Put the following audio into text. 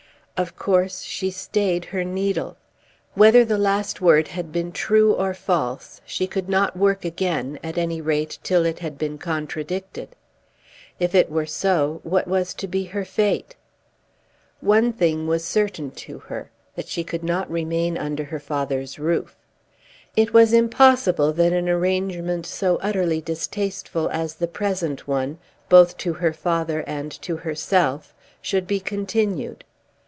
Of course she stayed her needle. Whether the last word had been true or false, she could not work again, at any rate till it had been contradicted. If it were so, what was to be her fate? One thing was certain to her; that she could not remain under her father's roof. It was impossible that an arrangement so utterly distasteful as the present one, both to her father and to herself, should be continued.